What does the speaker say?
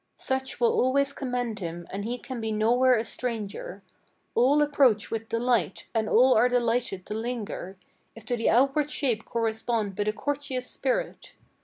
"Such will always commend him, and he can be nowhere a stranger. All approach with delight, and all are delighted to linger, If to the outward shape correspond but a courteous spirit.